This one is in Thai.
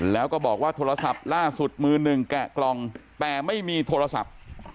แล้วก็บอกว่าโทรศัพท์ล่าสุดมือหนึ่งแกะกล่องแต่ไม่มีโทรศัพท์